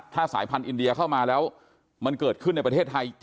ถ้าสายพันธ์อินเดียเข้ามาแล้วมันเกิดขึ้นในประเทศไทย